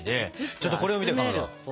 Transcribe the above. ちょっとこれ見てかまど。